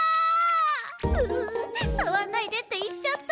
うう触んないでって言っちゃった